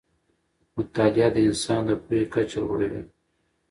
مطالعه د انسان د پوهې کچه لوړه وي